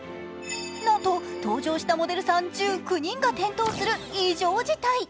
なんと登場したモデルさん１９人が転倒する異常事態。